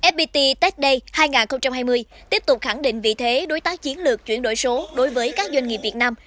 fpt tech day hai nghìn hai mươi tiếp tục khẳng định vị thế đối tác chiến lược chuyển đổi số đối với các doanh nghiệp việt nam